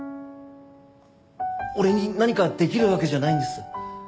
俺に何かできるわけじゃないんです。